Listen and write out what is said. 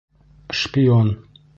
Шпион!